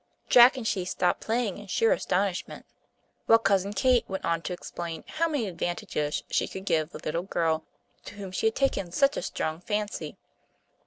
Jack and she stopped playing in sheer astonishment, while Cousin Kate went on to explain how many advantages she could give the little girl to whom she had taken such a strong fancy.